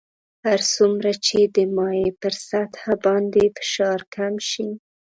هر څومره چې د مایع پر سطح باندې فشار کم شي.